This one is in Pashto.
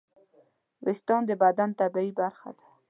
وېښتيان د بدن طبیعي برخه ده.